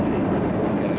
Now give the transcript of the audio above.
dan itu disalahkan sendiri